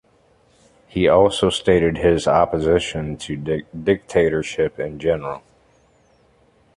He also stated his opposition to dictatorship in general.